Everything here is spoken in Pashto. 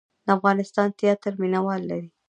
د افغانستان تیاتر مینه وال لري